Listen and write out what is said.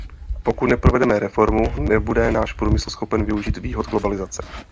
Pokud neprovedeme reformu, nebude náš průmysl schopen využít výhod globalizace.